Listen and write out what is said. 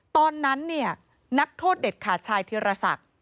ตอนนั้นเนี่ยนักโทษเด็ดขาดชายธิรศักดิ์